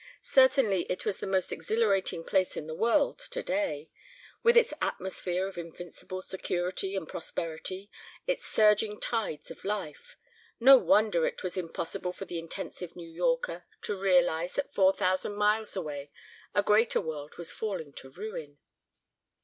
Certainly it was the most exhilarating place in the world today, with its atmosphere of invincible security and prosperity, its surging tides of life. No wonder it was impossible for the intensive New Yorker to realize that four thousand miles away a greater world was falling to ruin.